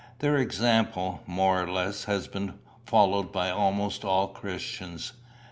Their example, more or less, has been followed by almost all Christians.